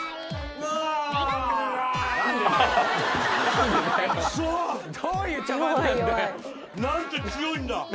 うわぁ。なんて強いんだ。